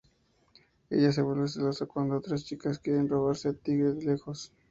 Ella se vuelve celosa cuando otras chicas quieren robarse a Tigre lejos.